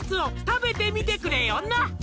「食べてみてくれよな」